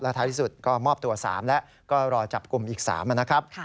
ท้ายที่สุดก็มอบตัว๓แล้วก็รอจับกลุ่มอีก๓นะครับ